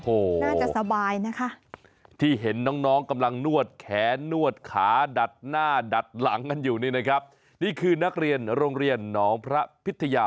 โอ้โฮน่าสนใจขนาดไหนไปดูกันหน่อยครับ